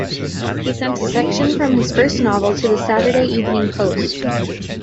He sent a section from his first novel to "The Saturday Evening Post".